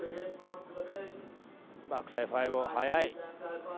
バックサイド速い！